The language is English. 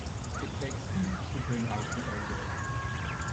It takes heat to bring out the odor.